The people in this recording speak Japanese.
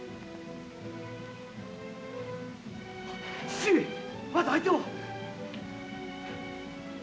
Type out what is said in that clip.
父上まだ相手は。